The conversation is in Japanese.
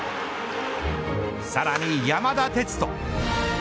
さらに山田哲人。